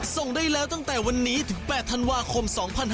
ส่งได้แล้วตั้งแต่วันนี้ถึง๘ธันวาคม๒๕๖๒